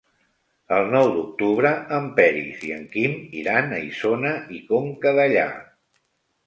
El nou d'octubre en Peris i en Quim iran a Isona i Conca Dellà.